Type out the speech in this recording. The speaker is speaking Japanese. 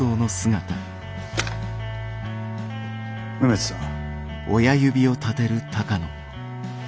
梅津さん。